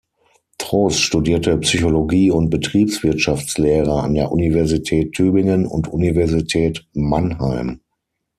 Trost studierte Psychologie und Betriebswirtschaftslehre an der Universität Tübingen und Universität Mannheim.